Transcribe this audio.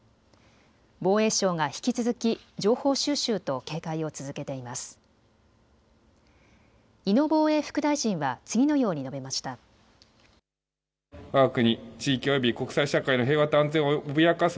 防衛省が引き続き情報収集と警戒を続けています。